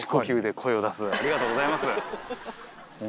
ありがとうございます。